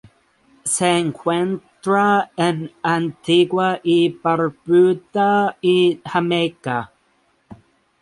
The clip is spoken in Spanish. Se encuentra en Antigua y Barbuda y Jamaica.